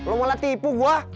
lo malah tipu gue